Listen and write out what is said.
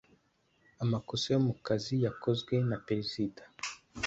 amakosa yo mu kazi yakozwe na perezida